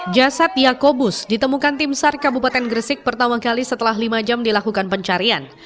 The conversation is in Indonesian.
jasad yakobus ditemukan tim sar kabupaten gresik pertama kali setelah lima jam dilakukan pencarian